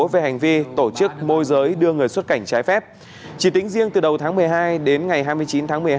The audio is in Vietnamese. về hành vi tổ chức môi giới đưa người xuất cảnh trái phép chỉ tính riêng từ đầu tháng một mươi hai đến ngày hai mươi chín tháng một mươi hai